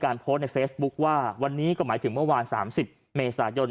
โพสต์ในเฟซบุ๊คว่าวันนี้ก็หมายถึงเมื่อวาน๓๐เมษายน